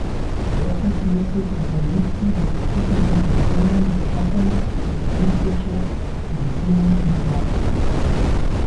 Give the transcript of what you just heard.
Schwerpunktmäßig untersucht sie die betrieblichen Funktionen Beschaffung, Produktionswirtschaft, Finanzierung und Marketing.